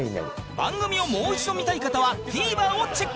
番組をもう一度見たい方は ＴＶｅｒ をチェック